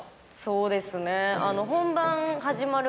そうですねあの。